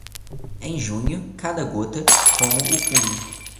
Em junho, cada gota, como o punho.